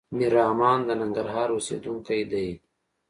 ميررحمان د ننګرهار اوسيدونکی دی.